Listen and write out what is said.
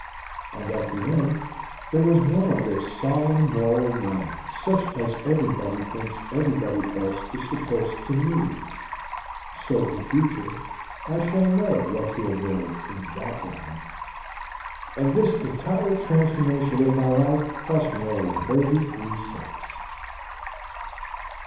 And at the end there was one of those solemn moral warnings, such as everybody thinks everybody else is supposed to need; so in future I shall know what to avoid in that line. And this entire transformation of my life cost me only thirty three cents.